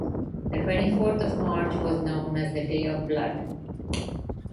The twenty-fourth of March was known as the Day of Blood.